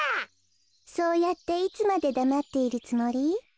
そうやっていつまでだまっているつもり？